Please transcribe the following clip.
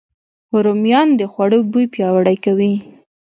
رومیان د خوړو بوی پیاوړی کوي